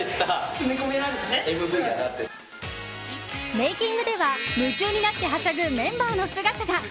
メイキングでは夢中になってはしゃぐメンバーの姿が。